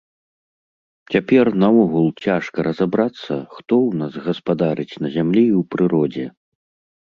Цяпер наогул цяжка разабрацца, хто ў нас гаспадарыць на зямлі і ў прыродзе.